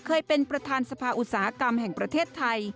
เคยเป็นประธานสภาอุตสาหกรรมแห่งประเทศไทย